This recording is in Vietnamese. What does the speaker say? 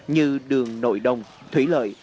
như đường nội đồng thủy lợi